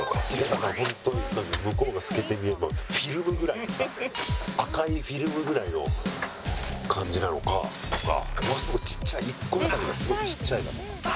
だから本当に向こうが透けて見えるフィルムぐらいな赤いフィルムぐらいの感じなのかとかものすごい１個当たりがすごいちっちゃいだとか。